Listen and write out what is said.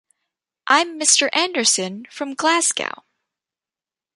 I'm Mr. Anderson from Glasgow.